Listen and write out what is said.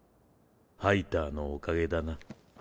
ハイターのおかげだな。